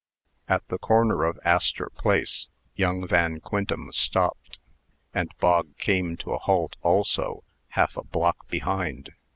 At the corner of Astor Place, young Van Quintem stopped; and Bog came to a halt also, half a block behind.